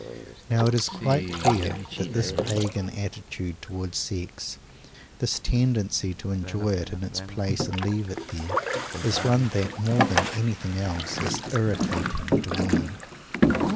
Now it is quite clear that this pagan attitude towards sex, this tendency to enjoy it in its place and leave it there, is one that, more than anything else, is irritating to women.